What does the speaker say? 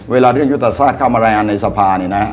เวลาเรื่องยุตรศาสตร์เข้ามารายงานในสะพาน